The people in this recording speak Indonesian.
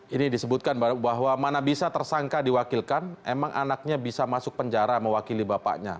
ini disebutkan bahwa mana bisa tersangka diwakilkan emang anaknya bisa masuk penjara mewakili bapaknya